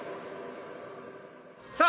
さあ